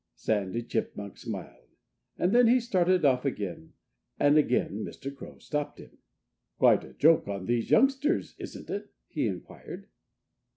Sandy Chipmunk smiled. And then he started off again. And again Mr. Crow stopped him. "Quite a joke on these youngsters isn't it?" he inquired.